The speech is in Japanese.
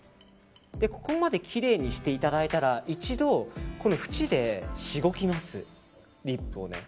ここまできれいにしていただいたら一度、ふちでしごきます、リップを。